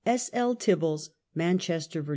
S. L. TiBBALS, Manchester, Ya.